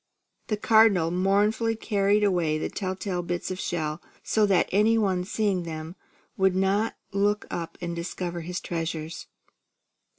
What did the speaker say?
The Cardinal mournfully carried away the tell tale bits of shell, so that any one seeing them would not look up and discover his treasures.